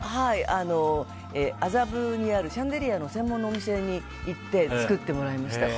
麻布にあるシャンデリアの専門のお店に行って作ってもらいました。